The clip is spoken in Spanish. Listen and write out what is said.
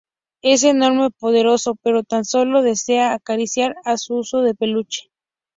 Es enorme, poderoso, pero tan sólo desea acariciar a su oso de peluche.